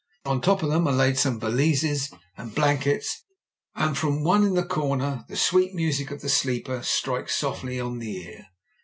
On top of them are laid some valises and blankets, and from the one in 124 MEN, WOMEN AND GUNS the comer the sweet music of the sleeper strikes softly on the ear.